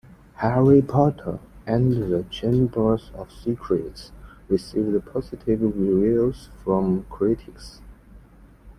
"Harry Potter and the Chamber of Secrets" received positive reviews from critics.